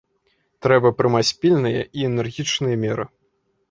Трэба прымаць пільныя і энергічныя меры.